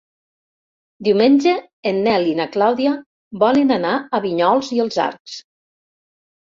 Diumenge en Nel i na Clàudia volen anar a Vinyols i els Arcs.